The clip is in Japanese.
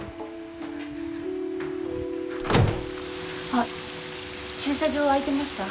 あっ駐車場空いてました？